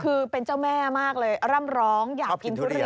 คือเป็นเจ้าแม่มากเลยร่ำร้องอยากกินทุเรียน